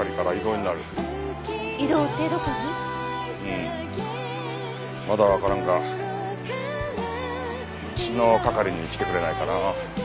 うんまだわからんがうちの係に来てくれないかな。